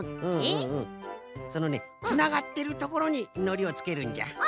そのねつながってるところにのりをつけるんじゃ。